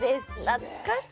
懐かしい。